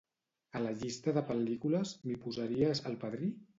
A la llista de pel·lícules, m'hi posaries "El Padrí"?